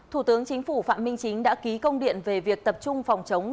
thủ tướng chính phủ phạm minh chính đã ký công điện về việc tập trung phòng chống